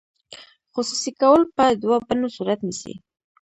خصوصي کول په دوه بڼو صورت نیسي.